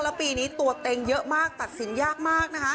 แล้วปีนี้ตัวเต็งเยอะมาก